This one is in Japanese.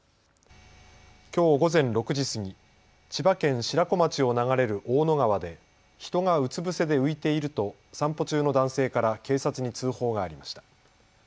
きょう午前６時過ぎ、千葉県白子町を流れる大野川で人がうつ伏せで浮いていると散歩中の男性から警察に通報がありました。